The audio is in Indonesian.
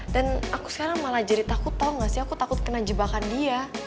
dan aku sekarang malah jadi takut tau gak sih aku takut kena jebakan dia